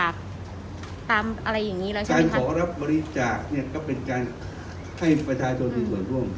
การขอรับบริจาคเนี่ยก็เป็นการให้ประชาชนถึงหล่นร่วม